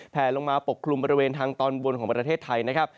แผลลงมาปกคลุมบริเวณทางตอนบนของประเทศไทยนะครับ